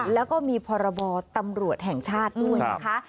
แล้วก็มีพรบตำรวจแห่งชาติด้วยนะคะ